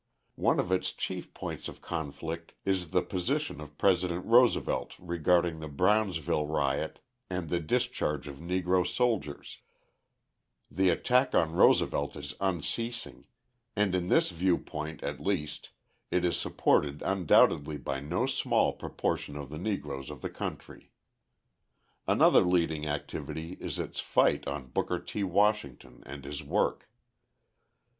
One of its chief points of conflict is the position of President Roosevelt regarding the Brownsville riot and the discharge of Negro soldiers; the attack on Roosevelt is unceasing, and in this viewpoint, at least, it is supported undoubtedly by no small proportion of the Negroes of the country. Another leading activity is its fight on Booker T. Washington and his work.